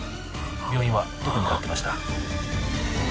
病院はどこに通ってました？